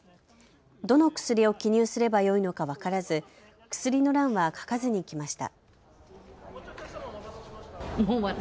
どの薬を記入すればよいのか分からず薬の欄は書かずに来ました。